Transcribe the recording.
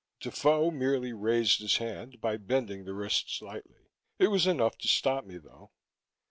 Defoe merely raised his hand by bending the wrist slightly; it was enough to stop me, though.